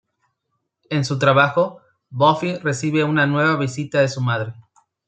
En su trabajo, Buffy recibe una nueva visita de su madre.